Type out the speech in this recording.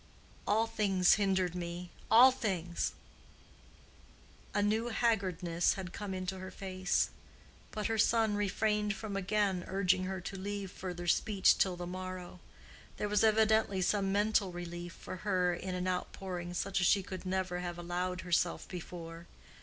All things hindered, me—all things." A new haggardness had come in her face, but her son refrained from again urging her to leave further speech till the morrow: there was evidently some mental relief for her in an outpouring such as she could never have allowed herself before.